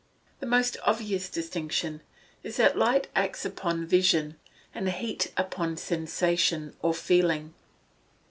_ The most obvious distinction is, that light acts upon vision, and heat upon sensation, or feeling.